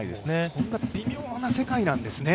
そんな微妙な世界なんですね。